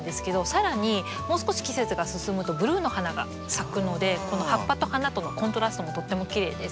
更にもう少し季節が進むとブルーの花が咲くのでこの葉っぱと花とのコントラストもとってもきれいです。